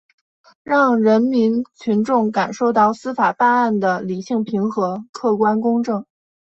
让人民群众感受到司法办案的理性平和、客观公正